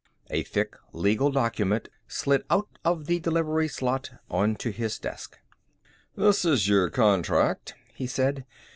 A thick legal document slid out of the delivery slot onto his desk. "This is your contract," he said.